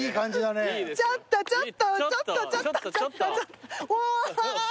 ちょっとちょっとちょっとちょっとうわ！